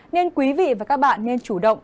nên quý vị và các bạn nên chủ động